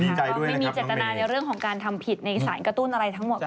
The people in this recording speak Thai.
ก็ไม่มีเจตนาในเรื่องของการทำผิดในสารกระตุ้นอะไรทั้งหมด